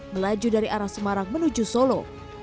melaju dari arah semarang menuju solo